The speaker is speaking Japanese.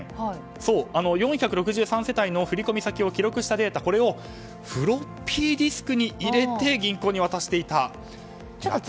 そう、４６３世帯の振り込み先を記録したデータをフロッピーディスクに入れて銀行に渡していたと。